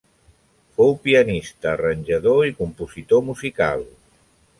Fou pianista, arranjador i compositor musical.